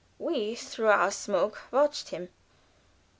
We, through our smoke, watched him.